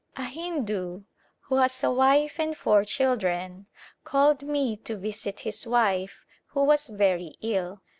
A Hindu who has a wife and four children called me to visit his wife who was very ill.